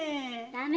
ダメ？